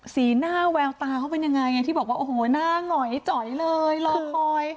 สีหน้าแววตาเขาเป็นยังไงไงที่บอกว่าโอ้โหหน้าหงอยจ๋อยเลยรอคอย